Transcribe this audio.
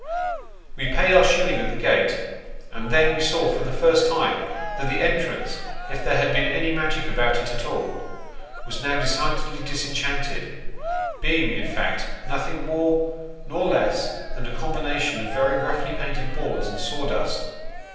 We paid our shilling at the gate, and then we saw for the first time, that tho entrance, if there had been any magic about it at all, was now 94 Sketches by Bos. decidedly disenchanted, being, in fact, nothing more nor less than a combination of very roughly painted boards and sawdust.